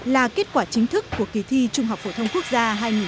là kết quả chính thức của kỳ thi trung học phổ thông quốc gia hai nghìn một mươi tám